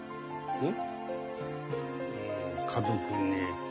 うん。